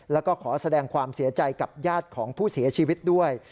แล้วก็ขอแสดงความเสียใจกับญาติของผู้เสียชีวิตด้วย